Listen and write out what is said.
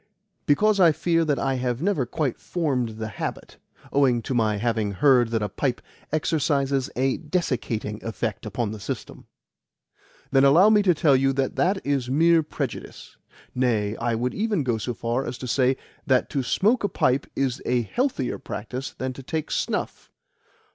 "Because I fear that I have never quite formed the habit, owing to my having heard that a pipe exercises a desiccating effect upon the system." "Then allow me to tell you that that is mere prejudice. Nay, I would even go so far as to say that to smoke a pipe is a healthier practice than to take snuff.